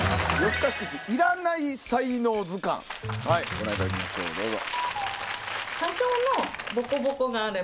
ご覧いただきましょうどうぞ。